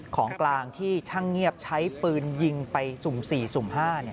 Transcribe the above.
ของกลางที่ช่างเงียบใช้ปืนยิงไปสุ่ม๔สุ่ม๕